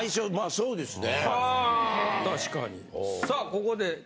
そうですね。